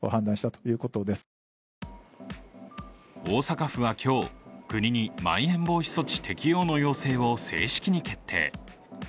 大阪府は今日、国にまん延防止措置適用の要請を正式に決定。